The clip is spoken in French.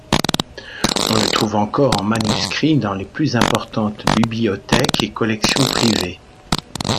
On le trouve encore, en manuscrit, dans les plus importantes bibliothèques et collections privées.